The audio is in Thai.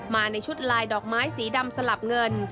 มาในชุดลายดอกไม้สีดำสลับเงิน